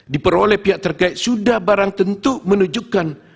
diperoleh pihak terkait sudah barang tentu menunjukkan